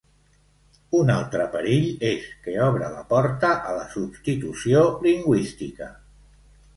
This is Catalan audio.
Un altre perill és que obre la porta a la substitució lingüística.